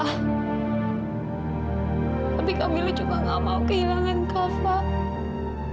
tapi kak mila juga gak mau kehilangan kak fadil